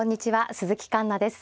鈴木環那です。